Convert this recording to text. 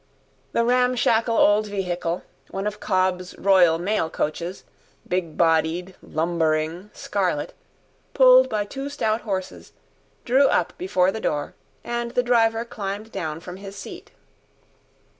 The ramshackle old vehicle, one of Cobb's Royal Mail Coaches, big bodied, lumbering, scarlet, pulled by two stout horses, drew up before the door, and the driver climbed down from his seat.